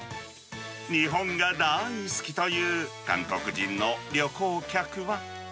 日本が大好きという韓国人の旅行客は。